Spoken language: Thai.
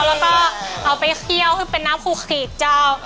แล้วก็เอาไปเคี่ยวให้เป็นน้ำคูขีดเจ้า